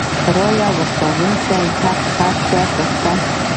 د رایې ورکولو حق هر چا ته شته.